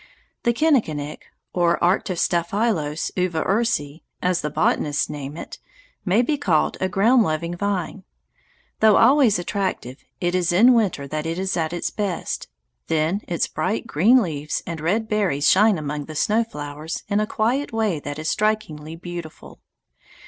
The kinnikinick, or Arctostaphylos Uva Ursi, as the botanists name it, may be called a ground loving vine. Though always attractive, it is in winter that it is at its best. Then its bright green leaves and red berries shine among the snow flowers in a quiet way that is strikingly beautiful.